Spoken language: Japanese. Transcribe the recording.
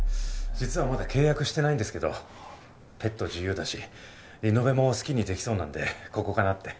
実はまだ契約してないんですけどペット自由だしリノベも好きにできそうなんでここかなって。